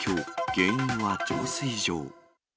原因は浄水場。